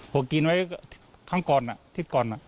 ผมกินไว้ครั้งก่อนทิศก่อน